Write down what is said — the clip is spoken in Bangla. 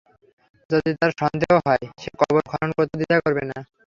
যদি তার সন্দেহ হয়, সে কবর খনন করতেও দ্বিধা করবে না।